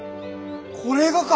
これがか！